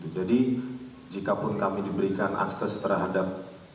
jadi jikapun kami diberikan akses terhadap